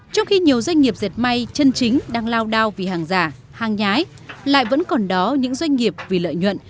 trong khi nhiều doanh nghiệp dệt may chân chính đang lao đao vì hàng giả hàng nhái lại vẫn còn đó những doanh nghiệp vì lợi nhuận